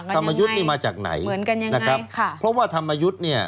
ธรรมยุทธนี่มาจากไหนเพราะว่าธรรมยุทธ